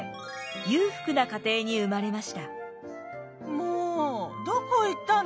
もうどこ行ったの？